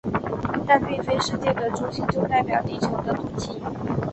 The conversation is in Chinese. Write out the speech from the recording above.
但并非世界的中心就代表地球的肚脐。